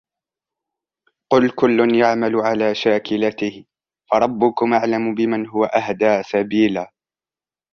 قُلْ كُلٌّ يَعْمَلُ عَلَى شَاكِلَتِهِ فَرَبُّكُمْ أَعْلَمُ بِمَنْ هُوَ أَهْدَى سَبِيلًا